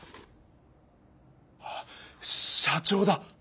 あっ社長だ！